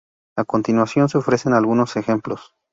A continuación se ofrecen algunos ejemplos.